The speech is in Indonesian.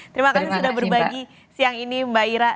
terima kasih sudah berbagi siang ini mbak ira